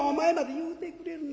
「言うてくれるな。